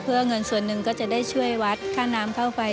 เพื่อเงินส่วนหนึ่งก็จะได้ช่วยวัดค่าน้ำค่าไฟ